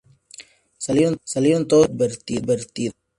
Salieron todos sin ser advertidos.